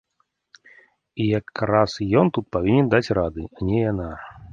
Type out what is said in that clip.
І якраз ён тут павінен даць рады, а не яна.